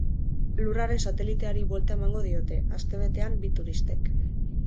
Lurraren sateliteari buelta emango diote, astebetean, bi turistek.